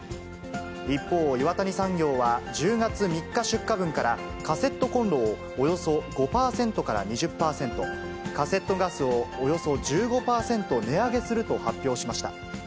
一方、岩谷産業は、１０月３日出荷分から、カセットコンロをおよそ５％から２０％、カセットガスをおよそ１５％、値上げすると発表しました。